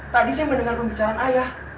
tadi saya mendengarkan bicara ayah